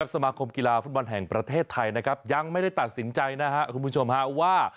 สมาคมกีฬาฝุ่นบอลแห่งประเทศไทยยั้งไม่ได้ตัดสินใจคุณผู้ชมค่ะว่า